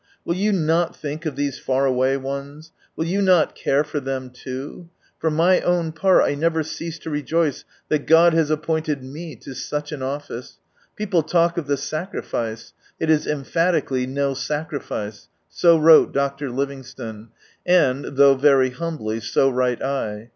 Will you not think of these far away ones ? Will you not care for them loo ?" For ray own part, I never ceased to rejoice that God has appointed me to such an office. People talk of the sacrifice. ... It is emphatically no sacrifice I " So wrote Dr. Livingstone, and, though very humbly, so write 1.